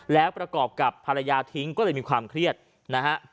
แล้วประกอบกับภรรยาทิ้งก็เลยมีความเครียดนะฮะ